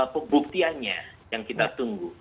pembuktiannya yang kita tunggu